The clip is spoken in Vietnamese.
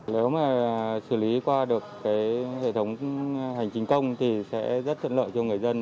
nếu mà xử lý qua được hệ thống hành chính công thì sẽ rất thuận lợi cho người dân